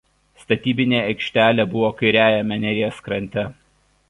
Statybinė aikštelė buvo kairiajame Neries krante.